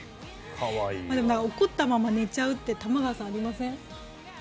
怒ったまま寝ちゃうって玉川さん、ありません？